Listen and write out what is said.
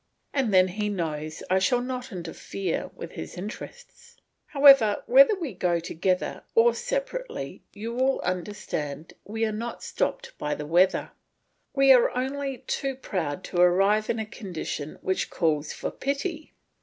And then he knows I shall not interfere with his interests. However, whether we go together or separately you will understand that we are not stopped by the weather; we are only too proud to arrive in a condition which calls for pity.